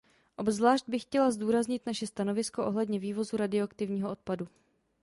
Obzvlášť bych chtěla zdůraznit naše stanovisko ohledně vývozu radioaktivního odpadu.